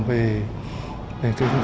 về những thứ nghệ thuật